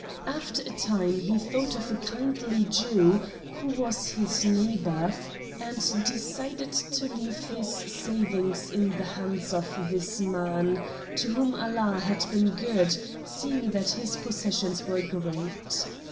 After a time he thought of a kindly Jew who was his neighbor, and decided to leave his savings in the hands of this man, to whom Allah had been good, seeing that his possessions were great.